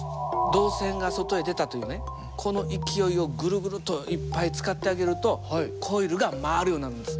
導線が外へ出たというねこの勢いをぐるぐるといっぱい使ってあげるとコイルが回るようになるんです。